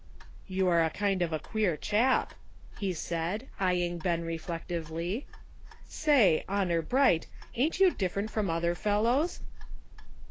336 ''LUCK." *' You are a kind of a queer chap," he said, eying Ben reflectively. '' Say, honor bright, ain't you different from other fellows